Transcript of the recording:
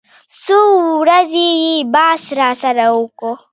څو ورځې يې بحث راسره وکو.